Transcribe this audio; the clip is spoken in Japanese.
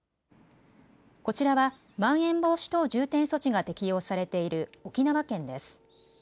こちらはまん延防止等重点措置が適用されている沖縄県です。